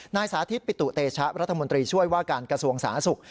สาธิตปิตุเตชะรัฐมนตรีช่วยว่าการกระทรวงสาธารณสุข